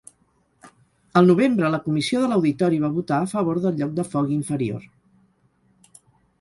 Al novembre, la Comissió de l'Auditori va votar a favor del lloc de Foggy inferior.